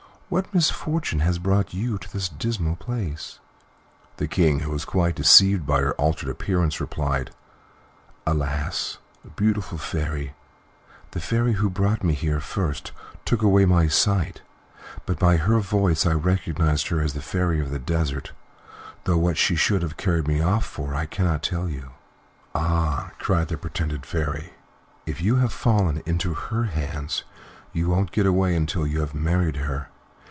What misfortune has brought you to this dismal place?" The King, who was quite deceived by her altered appearance, replied: "Alas! beautiful Fairy, the fairy who brought me here first took away my sight, but by her voice I recognized her as the Fairy of the Desert, though what she should have carried me off for I cannot tell you." "Ah!" cried the pretended Fairy, "if you have fallen into her hands, you won't get away until you have married her.